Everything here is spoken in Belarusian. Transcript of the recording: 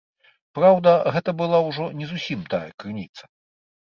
Праўда, гэта была ўжо не зусім тая крыніца.